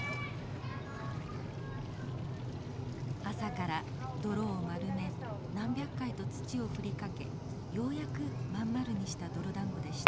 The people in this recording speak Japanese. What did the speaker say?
朝から泥を丸め何百回と土を振りかけようやく真ん丸にした泥だんごでした。